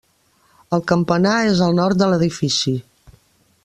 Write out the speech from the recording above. El campanar és al nord de l'edifici.